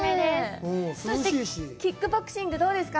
キックボクシングどうですか？